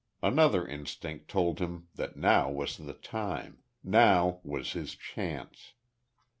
Another instinct told him that now was the time, now was his chance.